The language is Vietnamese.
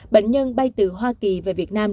bệnh nhân bay từ hoa kỳ về việt nam